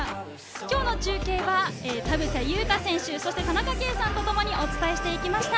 きょうの中継は田臥勇太選手、そして田中圭さんとともにお伝えしていきました。